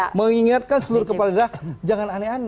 tapi saya ingatkan seluruh kepala daerah jangan aneh aneh